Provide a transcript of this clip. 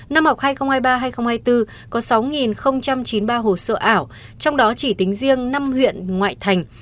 năm học hai nghìn hai mươi ba hai nghìn hai mươi bốn có sáu chín mươi ba hồ sơ ảo trong đó chỉ tính riêng năm huyện ngoại thành